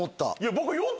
僕。